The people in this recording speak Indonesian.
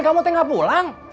kamu teh gak pulang